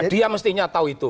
dia mestinya tahu itu